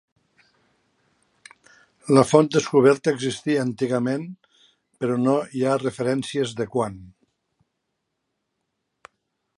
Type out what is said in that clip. La font descoberta existia antigament però no hi ha referències de quan.